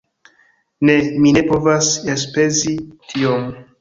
Ne, mi ne povas elspezi tiom.